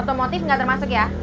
foto motif gak termasuk ya